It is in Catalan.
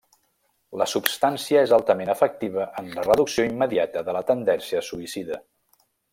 La substància és altament efectiva en la reducció immediata de la tendència suïcida.